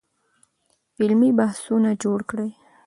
علمي بحثونه جوړ کړئ.